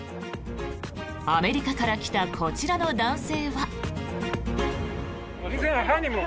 アメリカから来たこちらの男性は。